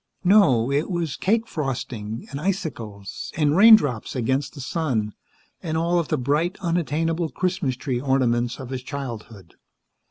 No, it was cake frosting, and icicles, and raindrops against the sun, and all of the bright, unattainable Christmas tree ornaments of his childhood.